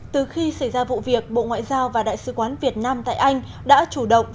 từ khi xảy ra vụ việc bộ ngoại giao và đại sứ quán việt nam tại anh đã chủ động